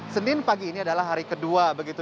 senin pagi ini adalah hari kedua begitu